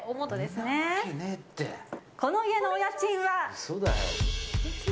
この家のお家賃は。